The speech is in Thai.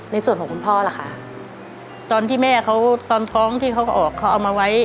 ในส่วนของคุณพ่อล่ะค่ะตอนที่แม่เขาตอนท้องที่เขาก็ออกเขาเอามาไว้